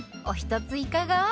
おひとついかが？